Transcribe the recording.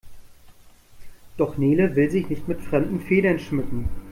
Doch Nele will sich nicht mit fremden Federn schmücken.